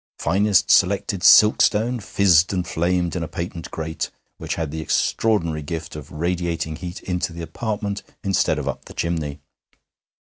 Finest selected silkstone fizzed and flamed in a patent grate which had the extraordinary gift of radiating heat into the apartment instead of up the chimney.